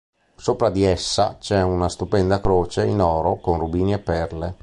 Sopra di essa c'è una stupenda croce in oro con rubini e perle.